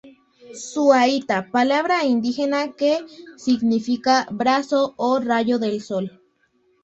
Suaita, palabra indígena que significa Brazo o Rayo del Sol.